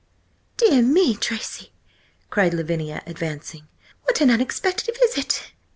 "Dear me, Tracy!" cried Lavinia, advancing. "What an unexpected visit!"